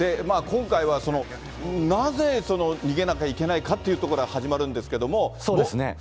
今回は、そのなぜ逃げなきゃいけないかというところから始まるんですけどそうですね。